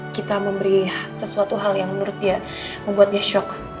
kita memberi sesuatu hal yang menurut dia membuatnya shock